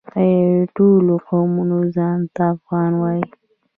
آیا ټول قومونه ځان ته افغان وايي؟